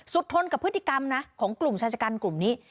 ทนกับพฤติกรรมนะของกลุ่มชายชะกันกลุ่มนี้